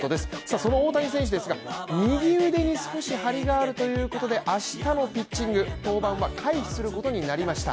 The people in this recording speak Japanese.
その大谷選手ですが、右腕に少し張りがあるということで明日のピッチング、登板は回避することになりました。